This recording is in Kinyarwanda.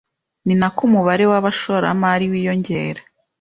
ni nako umubare w'abashoramari wiyongera